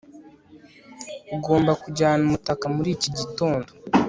ugomba kujyana umutaka muri iki gitondo